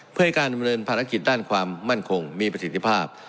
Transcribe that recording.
เพื่อให้การดำเนินภารกิจด้านความมั่นคงมีประสิทธิภาพ